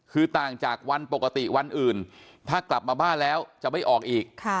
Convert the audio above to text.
คือต่างจากวันปกติวันอื่นถ้ากลับมาบ้านแล้วจะไม่ออกอีก